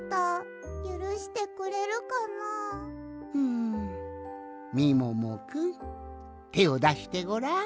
んみももくんてをだしてごらん。